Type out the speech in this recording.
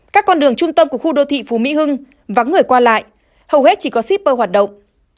các con đường trung tâm của khu đô thị phú mỹ hưng vắng người qua lại hầu hết chỉ có shipper hoạt động